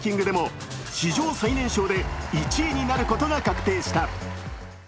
大会後の世界ランキングでも史上最年少で１位になることが確定した。